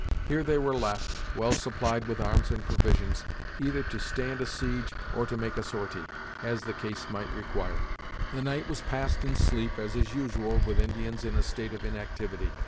Here they were left, well supplied with arms and provisions, either to stand a siege, or to make a sortie, as the case might require. The night was passed in sleep, as is usual with Indians in a state of inactivity.